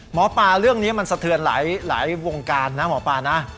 หมอปลาเรื่องนี้มันสะเทือนหลายวงการนะหมอปลานะ